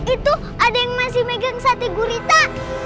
itu ada yang masih megang sate gurita